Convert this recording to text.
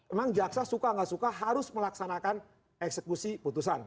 emang jaksa suka nggak suka harus melaksanakan eksekusi putusan